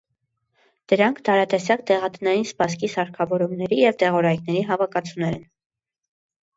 Դրանք տարատեսակ դեղատնային սպասքի, սարքավորումների և դեղորայքների հավաքածուներ են։